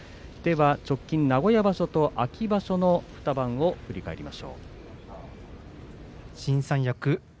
直近、名古屋場所と、秋場所の２番を振り返ります。